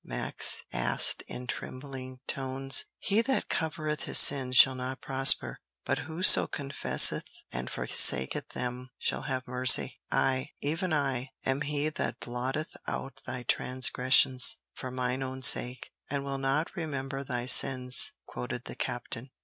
Max asked in trembling tones. "'He that covereth his sins shall not prosper; but whoso confesseth and forsaketh them shall have mercy.' 'I, even I, am He that blotteth out thy transgressions, for mine own sake, and will not remember thy sins,'" quoted the captain.